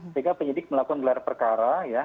sehingga penyidik melakukan gelar perkara ya